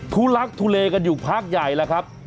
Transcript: ทุลักทุเลกันอยู่พักใหญ่แล้วครับ